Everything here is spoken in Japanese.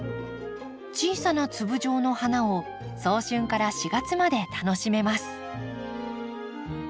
小さな粒状の花を早春から４月まで楽しめます。